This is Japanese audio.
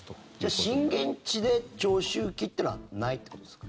じゃあ、震源地で長周期っていうのはないってことですか？